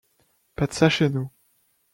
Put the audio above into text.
Pas de ça chez nous !